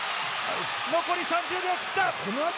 残り３０秒を切った。